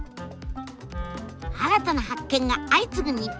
新たな発見が相次ぐ日本。